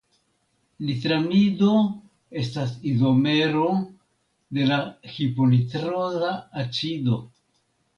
Nitramido estas izomero de la hiponitroza acido.